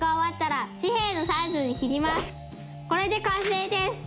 これで完成です。